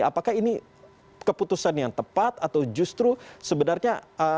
apakah ini keputusan yang tepat atau justru sebenarnya